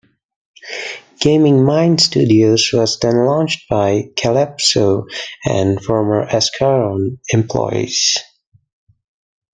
Gaming Minds Studios was then launched by Kalypso and former Ascaron employees.